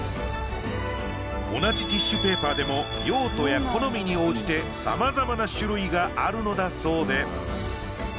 同じティッシュペーパーでも用途や好みに応じて様々な種類があるのだそうで。